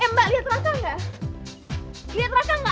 eh mbak liat raka gak